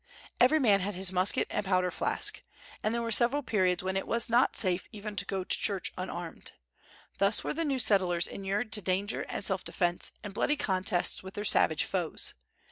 Every man had his musket and powder flask; and there were several periods when it was not safe even to go to church unarmed. Thus were the new settlers inured to danger and self defence, and bloody contests with their savage foes.